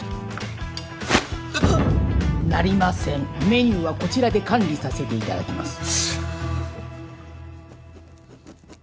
メニューはこちらで管理させていただきます。